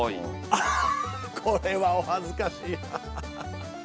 あっこれはお恥ずかしいな。